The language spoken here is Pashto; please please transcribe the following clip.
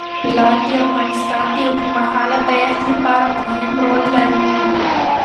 لعل د افغانستان د اوږدمهاله پایښت لپاره مهم رول لري.